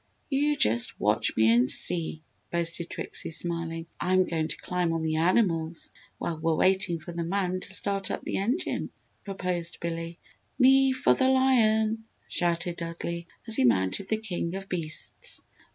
"You just watch me and see!" boasted Trixie, smiling. "I'm going to climb on the animals while we're waiting for the man to start up the engine," proposed Billy. "Me for the lion!" shouted Dudley, as he mounted the king of beasts.